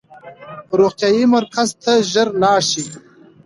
روغتیايي مرکز ته ژر لاړ شئ.